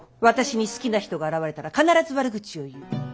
私に好きな人が現れたら必ず悪口を言う。